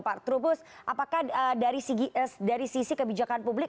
pak trubus apakah dari sisi kebijakan publik